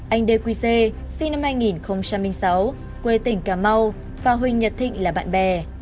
anh đê quy xê sinh năm hai nghìn sáu quê tỉnh cà mau và huỳnh nhật thịnh là bạn bè